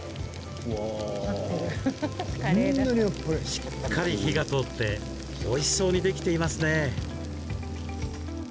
しっかり火が通っておいしそうにできていますね。